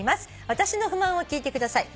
「私の不満を聞いてください。